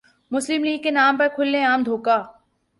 مسلم لیگ کے نام پر کھلے عام دھوکہ ۔